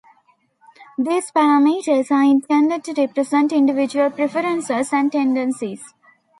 These parameters are intended to represent individual preferences and tendencies.